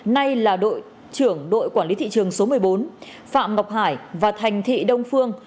nay là đội trưởng đội quản lý thị trường số một mươi bốn phạm ngọc hải và thành thị đông phương